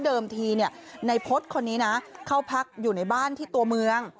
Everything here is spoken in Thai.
ทีในพฤษคนนี้นะเข้าพักอยู่ในบ้านที่ตัวเมือง